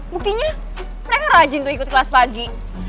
buktinya mereka rajin tuh ikut kelas pagi